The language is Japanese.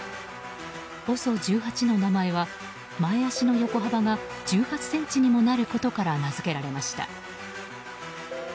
ＯＳＯ１８の名前は前足の横幅が１８ｃｍにもなることから名づけられました。